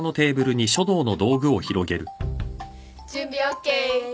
準備ＯＫ。